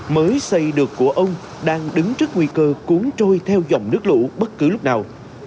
mới xây được của ông đang đứng trước nguy cơ cuốn trôi theo dòng nước lũ bất cứ lúc nào